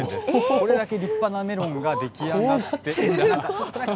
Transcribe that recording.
これだけ立派なメロンが出来上がっています。